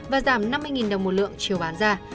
và giảm năm mươi đồng một lượng chiều bán ra